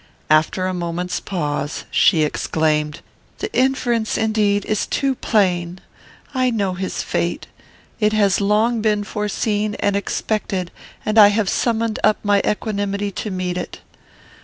After a moment's pause, she exclaimed, "The inference, indeed, is too plain. I know his fate. It has long been foreseen and expected, and I have summoned up my equanimity to meet it.